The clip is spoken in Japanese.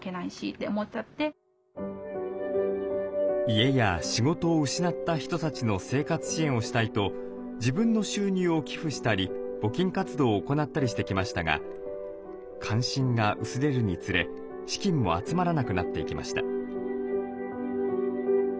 家や仕事を失った人たちの生活支援をしたいと自分の収入を寄付したり募金活動を行ったりしてきましたが関心が薄れるにつれ資金も集まらなくなっていきました。